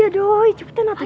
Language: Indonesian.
aduh cepetan nanti doi